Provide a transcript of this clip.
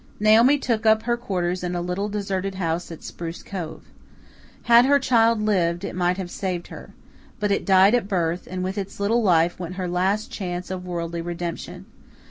Naomi took up her quarters in a little deserted house at Spruce Cove. Had her child lived it might have saved her. But it died at birth, and with its little life went her last chance of worldly redemption.